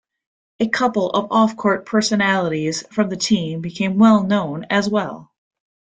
A couple of off-court personalities from the team became well known as well.